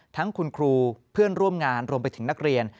ทั้งคุณครูเพื่อนร่วมงานรวมไปถึงนักเรียน